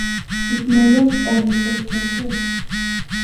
Rip minuk eng choket